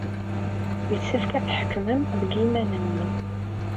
Yessefk ad tḥekmem deg yiman-nwen.